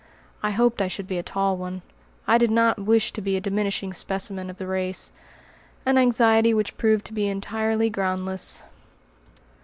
I hoped I should be a tall one. I did not wish to be a diminishing specimen of the race; an anxiety which proved to be entirely groundless.